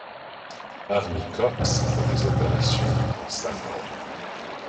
Armeekorps pour des opérations en Samland.